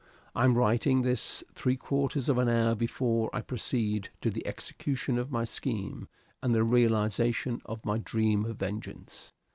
I am writing this three quarters of an hour before I proceed to the execution of my scheme, and the realization of my dream of vengeance.